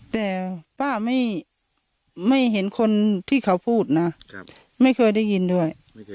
แต่ป้าไม่เห็นคนที่เขาพูดนะไม่เคยได้ยินด้วย